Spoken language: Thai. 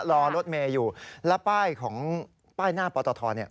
รอรถเมย์อยู่แล้วป้ายของป้ายหน้าปอตทเนี่ย